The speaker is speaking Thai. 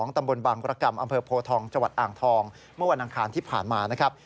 ตำบลบังรกรรมอำเภอโพทองจังหวัดอ่างทองเมื่อวันอังคารที่ผ่านมานะครับ